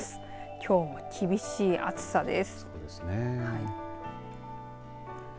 きょうも厳しい暑さです。